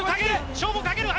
勝負をかける！